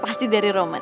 pasti dari roman